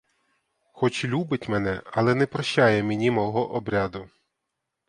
Хоч любить мене, але не прощає мені мого обряду.